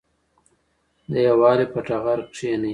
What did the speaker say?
د یووالي په ټغر کېنئ.